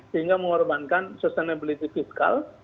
sehingga mengorbankan sustainability fiscal